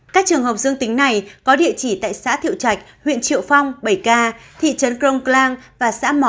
các trường hợp dương tính này có địa chỉ tại xã thiệu trạch huyện triệu phong bảy ca thị trấn cronklang và xã mỏ ó